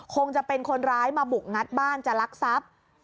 คงจะเป็นคนร้ายมาบุกงัดบ้านจะลักทรัพย์